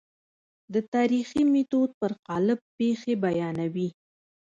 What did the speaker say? د تاریخي میتود پر قالب پېښې بیانوي.